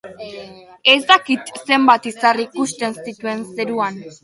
Ez dakit zenbat izar ikusten zituen zeruan.